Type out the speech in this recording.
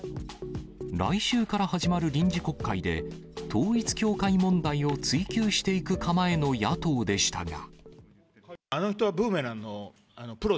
来週から始まる臨時国会で、統一教会問題を追及していく構えの野党でしたが。